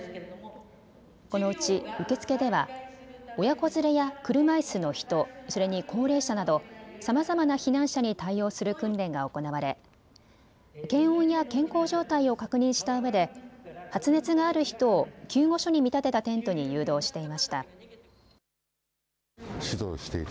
このうち受付では親子連れや車いすの人、それに高齢者などさまざまな避難者に対応する訓練が行われ検温や健康状態を確認したうえで発熱がある人を救護所に見立てたテントに誘導していました。